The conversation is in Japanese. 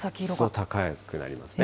高くなりますね。